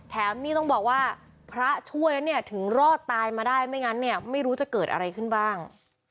นี่ต้องบอกว่าพระช่วยแล้วเนี่ยถึงรอดตายมาได้ไม่งั้นเนี่ยไม่รู้จะเกิดอะไรขึ้นบ้าง